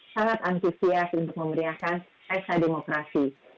sangat antusias untuk memeriahkan pesta demokrasi